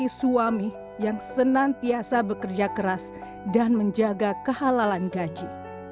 suami yang senantiasa bekerja keras dan menjaga kehalalan gaji